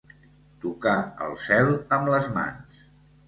Tocar el cel amb les mans.